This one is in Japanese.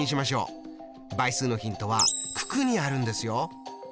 倍数のヒントは九九にあるんですよ。